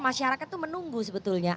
masyarakat itu menunggu sebenarnya